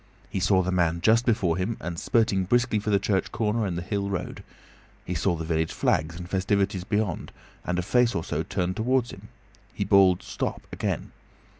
He saw the man just before him and spurting briskly for the church corner and the hill road. He saw the village flags and festivities beyond, and a face or so turned towards him. He bawled, "Stop!" again.